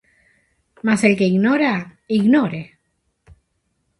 Mas el que ignora, ignore.